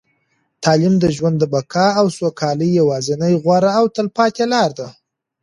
تعلیم د ژوند د بقا او سوکالۍ یوازینۍ، غوره او تلپاتې لاره ده.